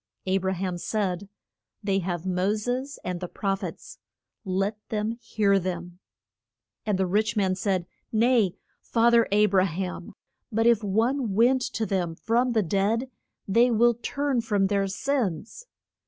A bra ham said, They have Mo ses and the proph ets, let them hear them. And the rich man said, Nay, fa ther A bra ham; but if one went to them from the dead they will turn from their sins.